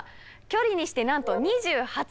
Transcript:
距離にしてなんと２８ｋｍです。